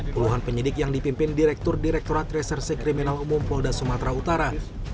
puluhan penyidik yang dipimpin direktur direkturat reserse kriminal umum polda sumatera utara